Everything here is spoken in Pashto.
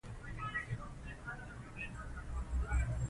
په پیل کې د ماري نوم له پامه غورځول شوی و.